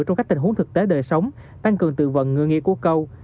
trong các tình huống thực tế đời sống tăng cường tự vận ngừa nghĩa của câu